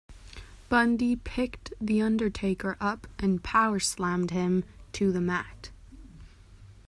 Bundy picked The Undertaker up and powerslammed him to the mat.